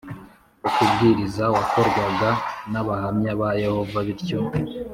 wo kubwiriza wakorwaga n Abahamya ba Yehova bityo